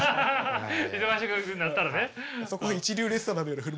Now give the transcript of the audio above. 忙しくなったらね。